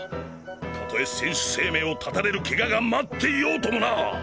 たとえ選手生命を絶たれるケガが待っていようともな！